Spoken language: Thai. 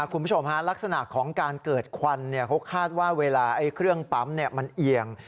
คุณผู้ชมฮะลักษณะของการเกิดควันเขาคาดว่าเวลาเครื่องปั๊มมันเอียง